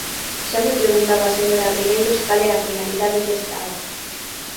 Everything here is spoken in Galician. Xa me preguntaba a señora Ribeiros cal era a finalidade desta orde.